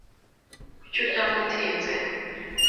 Kuki uryama utinze